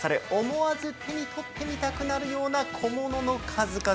思わず手に取ってみたくなるような小物の数々。